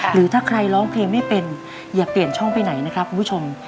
หรือถ้าใครร้องเพลงไม่เป็นอย่าเปลี่ยนช่องไปไหนนะครับคุณผู้ชม